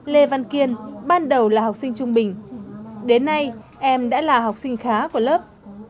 lê văn kiên ban đầu là học sinh trung bình đến nay em đã là học sinh khá của lớp